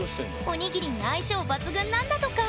おにぎりに相性抜群なんだとか。